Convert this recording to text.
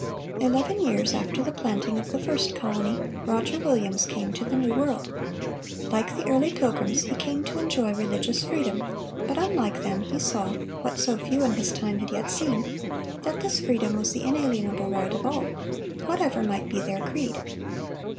Eleven years after the planting of the first colony, Roger Williams came to the New World. Like the early Pilgrims, he came to enjoy religious freedom; but unlike them, he saw—what so few in his time had yet seen—that this freedom was the inalienable right of all, whatever might be their creed.